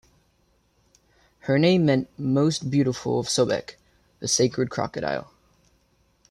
Her name meant "most beautiful of Sobek", the sacred crocodile.